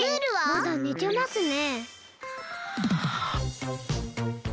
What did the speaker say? まだねてますね。